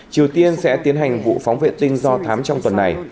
triều tiên sẽ tiến hành vụ phóng vệ tinh do thám trong tuần này